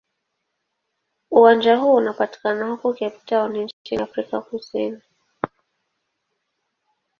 Uwanja huu unapatikana huko Cape Town nchini Afrika Kusini.